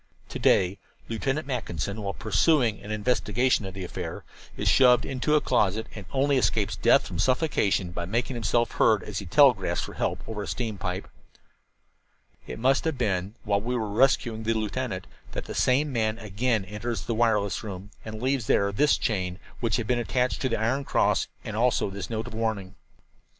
"To day Lieutenant Mackinson, while pursuing an investigation of the affair, is shoved into a closet and only escapes death from suffocation by making himself heard as he telegraphs for help over a steam pipe. "It must have been while we were rescuing the lieutenant that the same man again enters the wireless room and leaves there this chain, which had been attached to the iron cross, and also this note of warning.